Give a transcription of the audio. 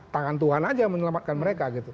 tangan tuhan saja yang menyelamatkan mereka